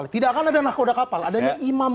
tidak akan ada nahkoda kapal adanya imam